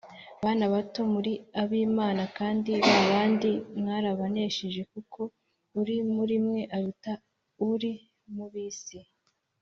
Bana bato, muri ab’Imana kandi ba bandi mwarabanesheje, kuko uri muri mwe aruta uri mu b’isi.